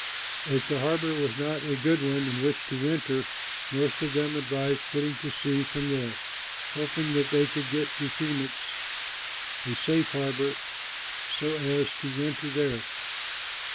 As the harbor was not a good one in which to winter, most of them advised putting to sea from there, hoping that they could get to Phœnix (a safe harbor) so as to winter there.